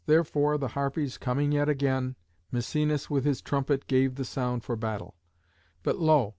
Therefore, the Harpies coming yet again, Misenus with his trumpet gave the sound for battle. But lo!